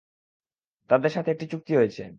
তাদের সাথে একটি চুক্তি হয়েছে।